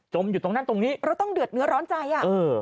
อยู่ตรงนั้นตรงนี้เราต้องเดือดเนื้อร้อนใจอ่ะเออ